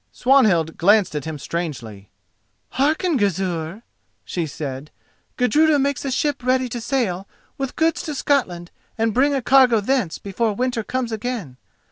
Swanhild glanced at him strangely. "Hearken, Gizur!" she said: "Gudruda makes a ship ready to sail with goods to Scotland and bring a cargo thence before winter comes again.